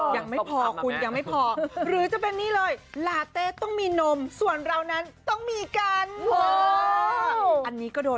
ยังไม่พอคุณยังไม่พอหรือจะเป็นนี่เลยลาเต้ต้องมีนมส่วนเรานั้นต้องมีกัน